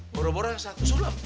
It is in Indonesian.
boroboran satu sulam